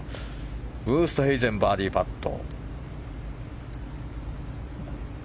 ウーストヘイゼンのバーディーパット。